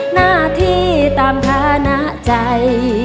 หน้าที่ตามฐานะใจ